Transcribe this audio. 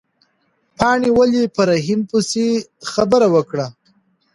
پاڼې ولې په رحیم پسې خبره وکړه؟